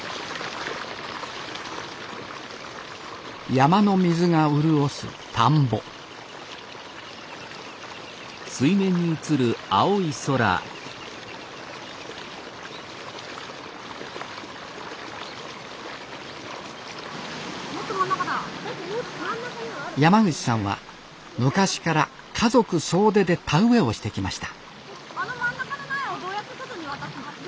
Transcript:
山の水が潤す田んぼ山口さんは昔から家族総出で田植えをしてきました